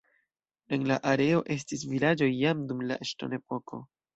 En la areo estis vilaĝoj jam dum la ŝtonepoko.